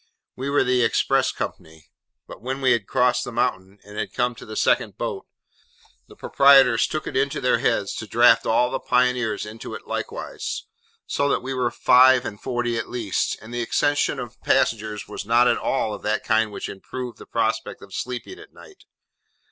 We were the Express company; but when we had crossed the mountain, and had come to the second boat, the proprietors took it into their beads to draft all the Pioneers into it likewise, so that we were five and forty at least, and the accession of passengers was not at all of that kind which improved the prospect of sleeping at night.